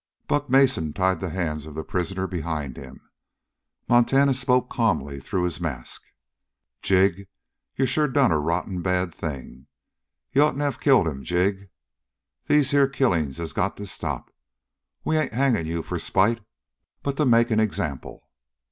Buck Mason tied the hands of the prisoner behind him. Montana spoke calmly through his mask. "Jig, you sure done a rotten bad thing. You hadn't ought to of killed him, Jig. These here killings has got to stop. We ain't hanging you for spite, but to make an example."